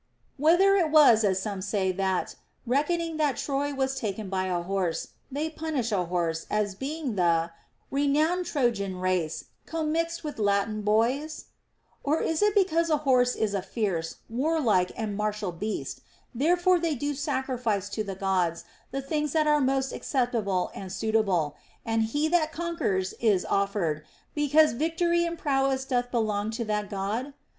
Whether was it (as some say) that, reckoning that Troy was taken by a horse, they punish a horse, as being the Renowned Trojan race commixt with Latin boys 1 Or is it because a horse is a fierce, warlike, and martial beast, therefore they do sacrifice to the Gods the things that are most acceptable and suitable ; and he that con quers is offered, because victory and prowess doth belong to that God?